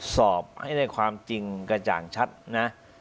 สอบให้ได้ความจริงกระจ่างชัดนะ